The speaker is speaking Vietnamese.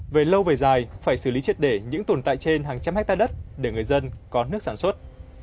về lâu về dài phải xử lý triệt để những tồn tại trên hàng trăm hectare đất để người dân có nước sản xuất